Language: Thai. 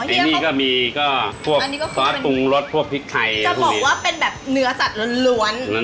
เองนี่ก็มีก็พวกซอสปรุงรสพวกพริกไทยจะบอกว่าเป็นแบบเนื้อสัตว์ล้วน